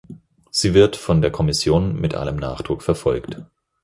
Sie wird von der Kommission mit allem Nachdruck verfolgt.